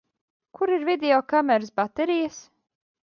Kur ir videokameras baterijas?